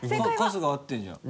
春日合ってるじゃん。